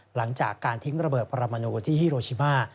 หลังจากการทิ้งระเบิดปรมาโนที่ฮิโรชิมา